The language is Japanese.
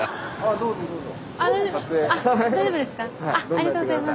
ありがとうございます。